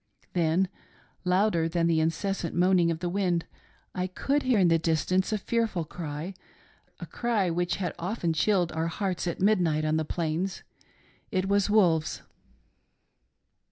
Then, louder than the incessant moaning of the wind, I could hear in the distance a fearful cry — a cry which had often chilled our hearts at midnight on the plains — it was the wolves